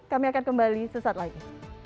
kami akan kembali sesaat lagi